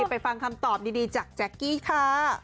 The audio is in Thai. ไปฟังคำตอบดีจากแจ๊กกี้ค่ะ